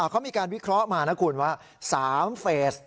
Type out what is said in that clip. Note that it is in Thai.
เขามีการวิเคราะห์มานะคุณว่า๓เฟส